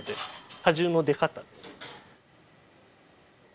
味の出方ですね。